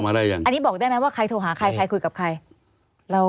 ได้ยังอันนี้บอกได้ไหมว่าใครโทรหาใครใครคุยกับใครเรา